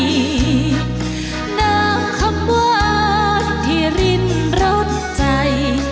น้ำคำว่าที่ริ้นรสใจ